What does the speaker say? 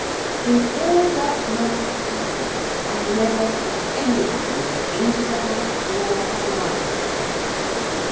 In all that month's time, I never saw anyone go into the House nor come out of the House.